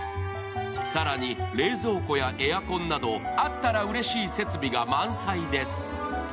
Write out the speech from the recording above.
更に冷蔵庫やエアコンなど、あったらうれしい設備が満載です。